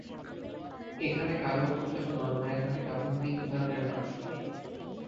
এখানে কারও ওপর যখন অন্যায় ঘটে, তখন তিন ধরনের মানুষ পাই।